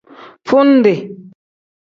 Fundi.